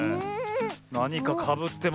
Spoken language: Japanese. なにかかぶってますよ